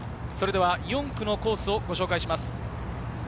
４区のコースをご紹介します。